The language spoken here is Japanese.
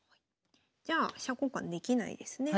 じゃあ飛車交換できないですね。